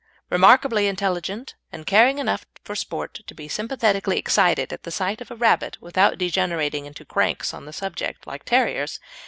Remarkably intelligent, and caring enough for sport to be sympathetically excited at the sight of a rabbit without degenerating into cranks on the subject like terriers.